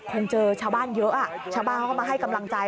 คงเจอชาวบ้านเยอะชาวบ้านเขาก็มาให้กำลังใจ